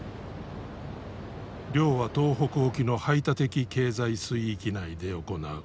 漁は東北沖の排他的経済水域内で行う。